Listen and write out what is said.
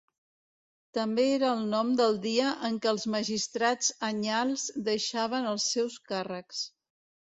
També era el nom del dia en què els magistrats anyals deixaven els seus càrrecs.